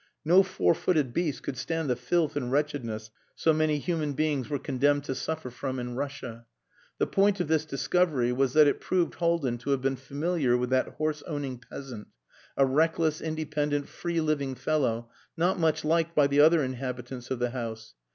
No four footed beast could stand the filth and wretchedness so many human beings were condemned to suffer from in Russia. The point of this discovery was that it proved Haldin to have been familiar with that horse owning peasant a reckless, independent, free living fellow not much liked by the other inhabitants of the house.